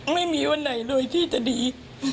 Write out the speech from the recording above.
ไม่มีวันไหนเลยที่จะดี